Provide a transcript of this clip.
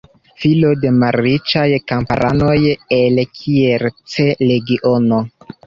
Filo de malriĉaj kamparanoj el Kielce-regiono.